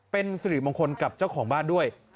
เป็นสิริมงคลกับเจ้าของบ้านด้วย